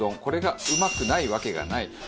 これがうまくないわけがない。